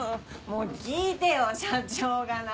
もう聞いてよ社長がな。